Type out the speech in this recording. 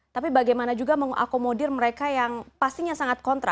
tapi bagaimana juga mengakomodir mereka yang pastinya sangat kontra